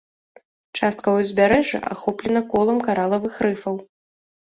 Частка ўзбярэжжа ахоплена колам каралавых рыфаў.